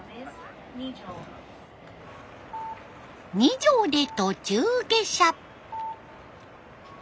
二条で途中下車。